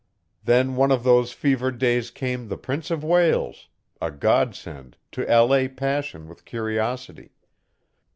Then one of those fevered days came the Prince of Wales a Godsend, to allay passion with curiosity.